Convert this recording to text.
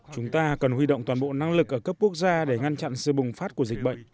chúng ta cần huy động toàn bộ năng lực ở cấp quốc gia để ngăn chặn sự bùng phát của dịch bệnh